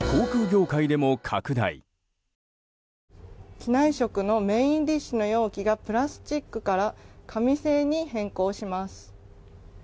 機内食のメインディッシュの容器がプラスチックから紙製に変更します。